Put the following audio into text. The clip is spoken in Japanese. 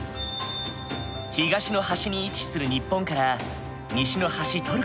東の端に位置する日本から西の端トルコまで。